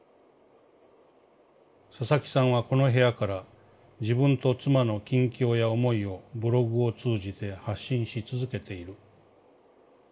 「佐々木さんはこの部屋から自分と妻の近況や思いをブログを通じて発信し続けている。